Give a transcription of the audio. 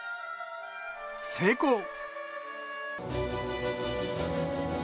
成功。